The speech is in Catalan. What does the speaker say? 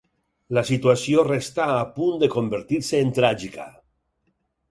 La situació restà a punt de convertir-se en tràgica.